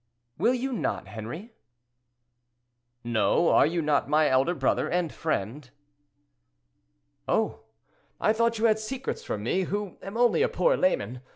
"Will you not, Henri?" "No; are you not my elder brother and friend?" "Oh! I thought you had secrets from me, who am only a poor layman.